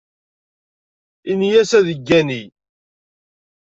Ini-as ad yeggani.